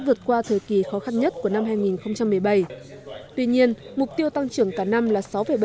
vượt qua thời kỳ khó khăn nhất của năm hai nghìn một mươi bảy tuy nhiên mục tiêu tăng trưởng cả năm là sáu bảy